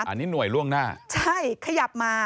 อันนี้หน่วยล่วงหน้าใช่ขยับมา